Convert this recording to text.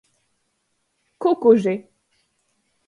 Kukuži.